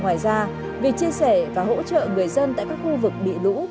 ngoài ra việc chia sẻ và hỗ trợ người dân tại các khu vực bị lũ